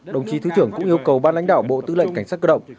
đồng chí thứ trưởng cũng yêu cầu ban lãnh đạo bộ tư lệnh cảnh sát cơ động